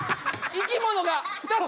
生き物が２つ？